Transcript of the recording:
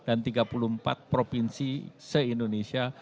dan tiga puluh empat provinsi se indonesia